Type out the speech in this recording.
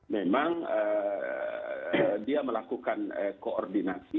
memang dia melakukan koordinasi